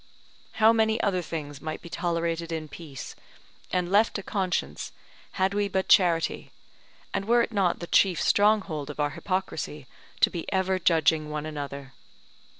How many other things might be tolerated in peace, and left to conscience, had we but charity, and were it not the chief stronghold of our hypocrisy to be ever judging one another?